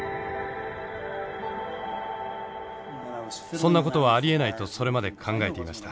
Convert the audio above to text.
そんなことはありえないとそれまで考えていました。